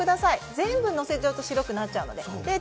全部のせちゃうと白くなっちゃいます。